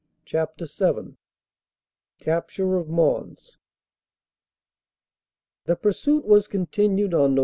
CHAPTER VII CAPTURE OF MONS THE pursuit was continued on Nov.